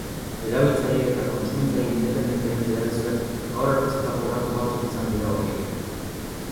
Erabiltzaile eta kontsumitzaile independenteen federazioak gaur aurkeztutako datu batzuk izan dira horiek.